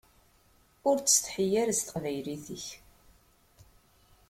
Ur ttsetḥi ara s teqbaylit-ik.